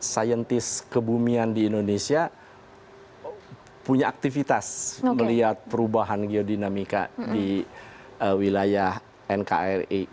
saintis kebumian di indonesia punya aktivitas melihat perubahan geodinamika di wilayah nkri